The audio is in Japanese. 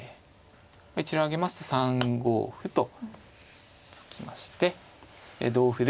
一例を挙げますと３五歩と突きまして同歩で。